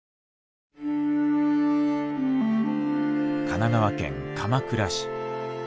神奈川県鎌倉市。